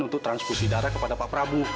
untuk transkusi darah kepada pak prabu